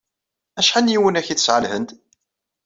Acḥal n yiwunak ay tesɛa Lhend?